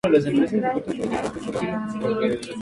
Ojos relativamente pequeños, no ensanchados ventralmente.